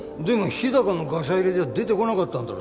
日高のガサ入れじゃ出てこなかったんだろ